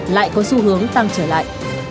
lại có xu hướng tăng trở lại